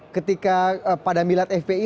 ketika pada milad fpi